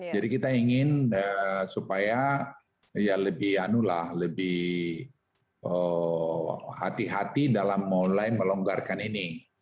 jadi kita ingin supaya ya lebih anulah lebih hati hati dalam mulai melonggarkan ini